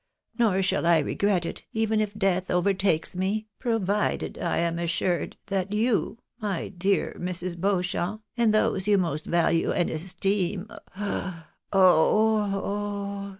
Nor shall I regret it, even if death overtakes me, provided I am assured you, my dear Mrs. Beau champ, and those you most value and esteem — oh h h